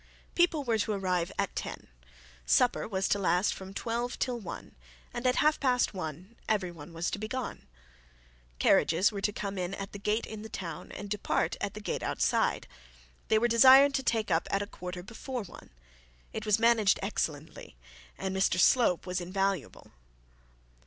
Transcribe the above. People were to arrive at ten, supper was to last from twelve to one, and at half past one everybody was to be gone. Carriages were to come in at the gate in the town and depart at the gate outside. They were desired to take up at a quarter before one. It was managed excellently, and Mr Slope was invaluable.